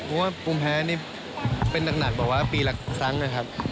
เพราะว่าปุ่มแพ้นี่เป็นหนักบอกว่าปีหลักครั้งนะครับ